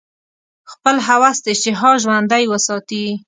خپل هوس اشتها ژوندۍ وساتي.